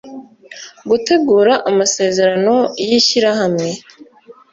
gutegura amasezerano y’ ishyirahamwe